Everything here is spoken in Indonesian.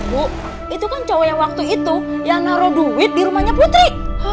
bu itu kan cowok yang waktu itu yang naruh duit di rumahnya putri